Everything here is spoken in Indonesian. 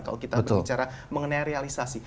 kalau kita berbicara mengenai realisasi